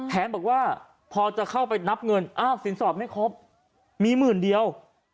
บอกว่าพอจะเข้าไปนับเงินอ้าวสินสอดไม่ครบมีหมื่นเดียว